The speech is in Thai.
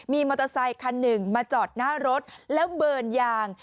มีมอเตอร์ไซคันหนึ่งมาจอดหน้ารถแล้วเบิร์นยาง